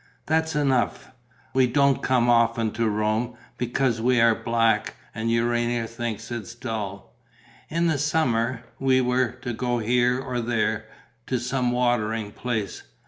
That's enough: we don't come often to Rome, because we are 'black' and Urania thinks it dull. In the summer, we were to go here or there, to some watering place.